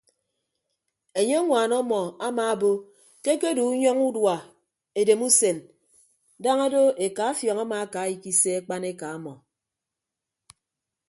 Enye ñwaan ọmmọ amaabo ke akedo ke unyọñọ udua edem usen daña do eka afiọñ amaaka ikise akpaneka ọmọ.